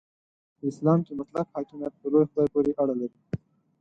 په اسلام کې مطلق حاکمیت په لوی خدای پورې اړه لري.